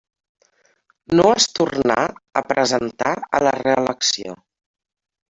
No es tornà a presentar a la reelecció.